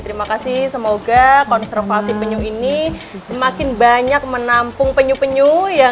terima kasih semoga konservasi penyu ini semakin banyak menampung penyu penyu yang